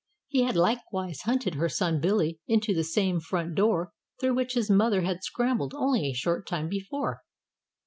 He had likewise hunted her son Billy into the same front door through which his mother had scrambled only a short time before.